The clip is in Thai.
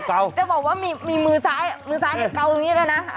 จะบอกว่ามีมือซ้ายเก่าอยู่นี่แล้วนะ